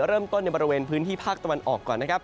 เริ่มต้นในบริเวณพื้นที่ภาคตะวันออกก่อนนะครับ